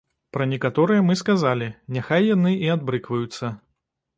Пра некаторыя мы сказалі, няхай яны і адбрыкваюцца.